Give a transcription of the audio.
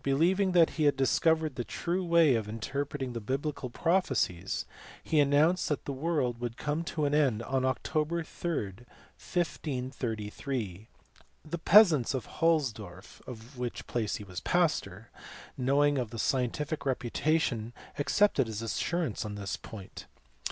lieving that he had discovered the true way of interpreting the biblical prophecies, he announced that the world would come to an end on Oct. 3rd, 1533. The peasants of Holzdorf, of which place he was pastor, knowing of his scientific reputation ac cepted his assurance on this point.